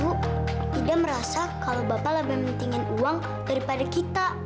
ibu ida merasa kalau bapak lebih pentingin uang daripada kita